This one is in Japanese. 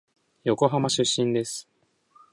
横浜出身です。